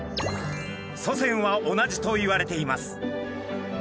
祖先は同じといわれています。